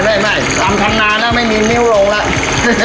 ทำงานน่ะไม่มีนิ้วลงล่ะ